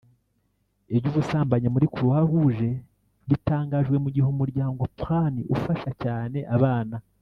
Iby’ubusambanyi muri Croix Rouge bitangajwe mu gihe Umuryango Plan ufasha cyane abana